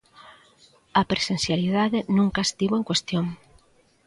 A presencialidade nunca estivo en cuestión!